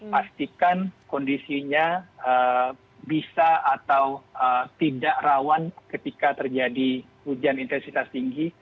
pastikan kondisinya bisa atau tidak rawan ketika terjadi hujan intensitas tinggi